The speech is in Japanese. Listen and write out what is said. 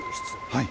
はい。